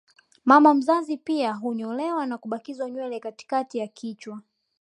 Mama mzazi pia hunyolewa na kubakizwa nywele za katikati ya kichwa